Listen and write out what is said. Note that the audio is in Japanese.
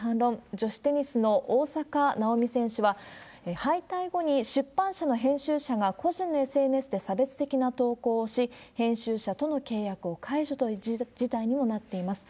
女子テニスの大坂なおみ選手は、敗退後に出版社の編集者が、個人のＳＮＳで差別的な投稿をし、編集者との契約を解除という事態にもなっています。